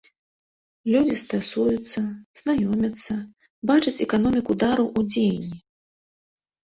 Людзі стасуюцца, знаёмяцца, бачаць эканоміку дару ў дзеянні.